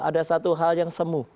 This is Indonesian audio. ada satu hal yang semu